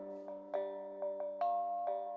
ya udah saya pakai baju dulu